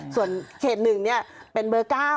ส่วนเขตหนึ่งเป็นเบอร์๙